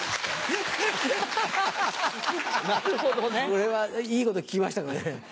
これはいいこと聞きましたね。